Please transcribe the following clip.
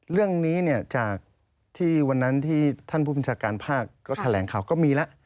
เรื่องนี้เนี่ยจากที่วันนั้นที่ท่านผู้บัญชาการภาคก็แถลงข่าวก็มีแล้ว